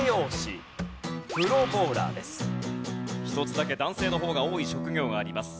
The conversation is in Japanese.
１つだけ男性の方が多い職業があります。